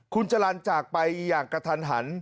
คุณจรรย์จากไปอย่างกระทันหัน